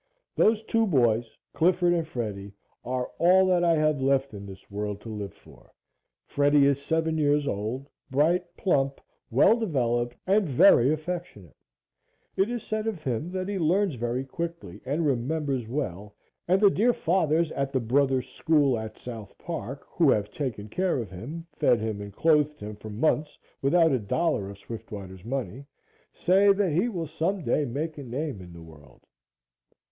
Those two boys Clifford and Freddie are all that I have left in this world to live for. Freddie is seven years old, bright, plump, well developed and very affectionate. It is said of him that he learns very quickly and remembers well, and the dear Fathers at the Brothers School at South Park, who have taken care of him, fed him and clothed him for months without a dollar of Swiftwater's money, say that he will some day make a name in the world.